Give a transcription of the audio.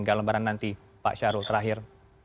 bagaimana lembaran nanti pak syarul terakhir